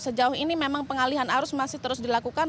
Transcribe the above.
sejauh ini memang pengalihan arus masih terus dilakukan